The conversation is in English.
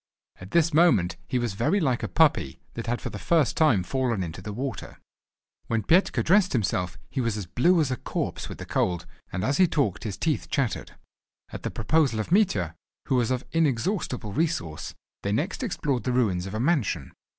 At this moment he was very like a puppy, that had for the first time fallen into the water. When Petka dressed himself he was as blue as a corpse with the cold, and as he talked his teeth chattered. At the proposal of Mitya, who was of inexhaustible resource, they next explored the ruins of a mansion.